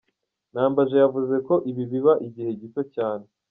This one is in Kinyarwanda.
Nambaje yavuze ko ibi biba igihe gito cyane.